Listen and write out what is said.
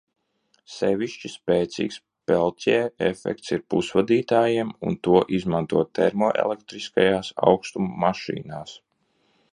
Sevišķi spēcīgs Peltjē efekts ir pusvadītājiem un to izmanto termoelektriskajās aukstuma mašīnās.